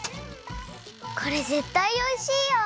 これぜったいおいしいよ。